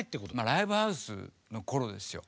ライブハウスの頃ですよ。